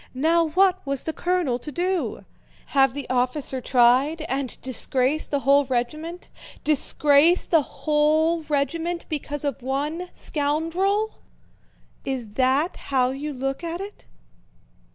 Now what was the colonel to do? Have the officer tried and disgrace the whole regiment? Disgrace the whole regiment because of one scoundrel? Is that how you look at it?